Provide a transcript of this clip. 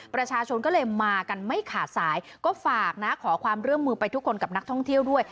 ประชาชนก็เลยมากันไม่ขาดสายก็ฝากนะขอความร่วมมือไปทุกคนกับนักท่องเที่ยวด้วย